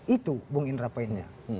itu bung indra poinnya